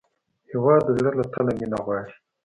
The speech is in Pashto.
هېواد د زړه له تله مینه غواړي.